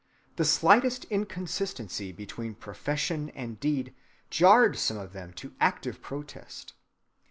The slightest inconsistency between profession and deed jarred some of them to active protest.